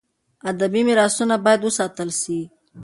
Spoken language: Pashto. . ادبي میراثونه باید وساتل سي.